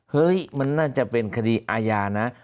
เฮ้ยมันน่าจะเป็นคดีอาญานะ